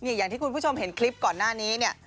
อย่างที่คุณผู้ชมเห็นคลิปก่อนหน้านี้เนี่ย